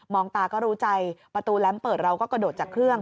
ตาก็รู้ใจประตูแรมเปิดเราก็กระโดดจากเครื่อง